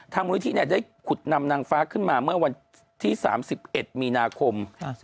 มูลนิธิได้ขุดนำนางฟ้าขึ้นมาเมื่อวันที่๓๑มีนาคม